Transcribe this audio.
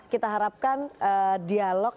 kita harapkan dialog